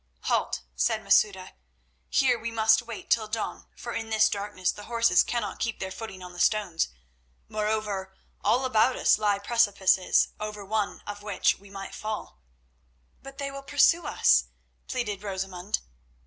"Halt," said Masouda. "Here we must wait till dawn for in this darkness the horses cannot keep their footing on the stones. Moreover, all about us lie precipices, over one of which we might fall." "But they will pursue us," pleaded Rosamund.